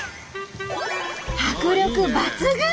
迫力抜群！